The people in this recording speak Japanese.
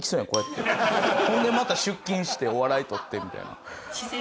ほんでまた出勤して笑いとってみたいな。